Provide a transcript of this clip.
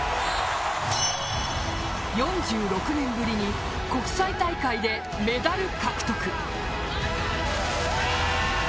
４６年ぶりに国際大会でメダル獲得。